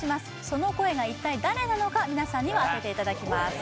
その声が一体誰なのかみなさんには当てていただきます